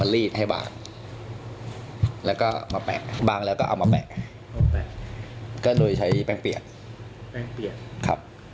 แล้วก็มาแปะบางแล้วก็เอามาแปะก็เลยใช้แป้งเปียก